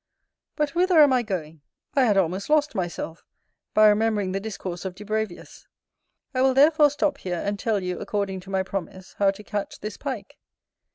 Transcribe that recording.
But whither am I going? I had almost lost myself, by remembering the discourse of Dubravius. I will therefore stop here; and tell you, according to my promise, how to catch this Pike.